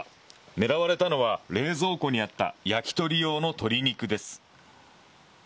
狙われたのは冷蔵庫にあった焼き鳥用の鶏肉です。